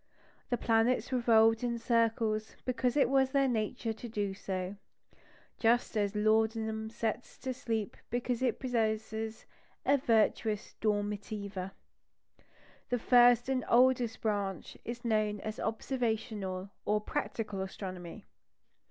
The planets revolved in circles because it was their nature to do so, just as laudanum sets to sleep because it possesses a virtus dormitiva. This first and oldest branch is known as "observational," or "practical astronomy."